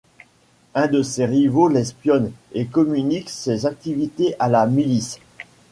Un de ses rivaux l'espionne et communique ses activités à la milice.